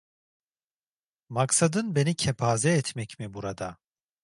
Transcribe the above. Maksadın beni kepaze etmek mi burada?